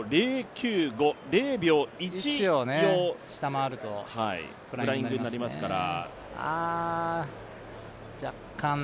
０秒０９５、０秒１秒下回るとフライングになりますから。